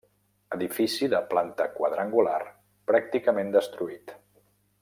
Edifici de planta quadrangular pràcticament destruït.